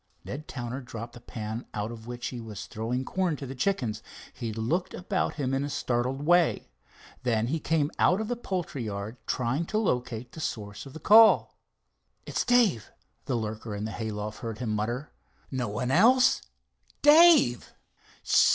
Ned Towner dropped the pan out of which he was throwing corn to the chickens. He looked about him in a startled way. Then he came out of the poultry yard, trying to locate the source of the call. "It's Dave," the lurker in the hay loft heard him mutter. "No one else—Dave."